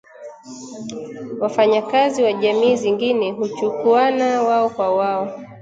wafanyakazi wa jamii zingine huchukuwana wao kwa wao